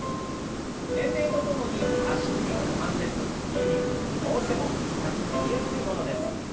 年齢とともに足首の関節筋肉どうしても硬くなりやすいものです。